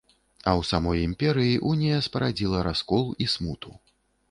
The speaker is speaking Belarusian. А ў самой імперыі унія спарадзіла раскол і смуту.